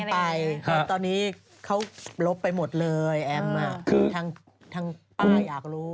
ถามไปเพราะตอนนี้เขาลบไปหมดเลยแอมอ่ะคือทั้งทุกคนอยากรู้